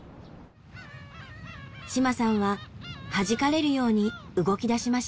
島さんははじかれるように動きだしました。